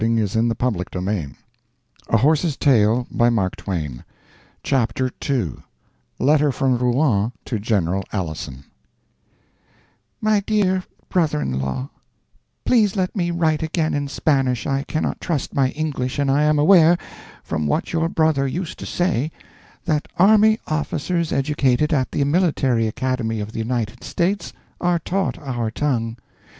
That is, if Shekels is out on depredation and I can't get hold of him. II LETTER FROM ROUEN—TO GENERAL ALISON MY dear Brother in Law,—Please let me write again in Spanish, I cannot trust my English, and I am aware, from what your brother used to say, that army officers educated at the Military Academy of the United States are taught our tongue.